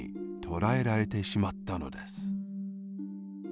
とらえられてしまったのです。